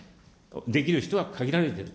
できる人は限られてる。